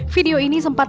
video ini sempat menikmati